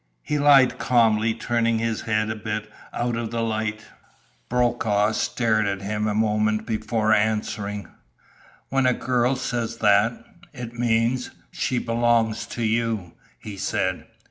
He lied calmly, turning his head a bit out of the light. Brokaw stared at him a moment before answering. "When a girl says that it means she belongs to you," he said.